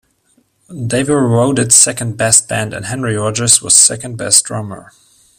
They were voted second best band and Henry Rogers was second best drummer.